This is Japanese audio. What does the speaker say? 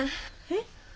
えっ？